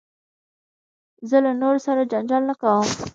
زه له نورو سره جنجال نه کوم.